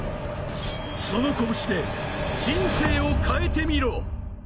その拳で人生を変えてみろ。